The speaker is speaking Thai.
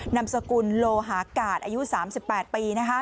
นำสกุลโลหากาศอายุ๓๘ปี